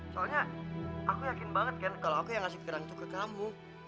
soalnya aku yakin banget kan kalau aku yang ngasih kerang itu ke kamu